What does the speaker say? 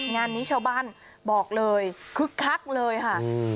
งานนี้ชาวบ้านบอกเลยคึกคักเลยค่ะ